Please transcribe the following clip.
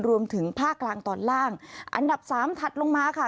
รวมถึงภาคกลางตอนล่างอันดับสามถัดลงมาค่ะ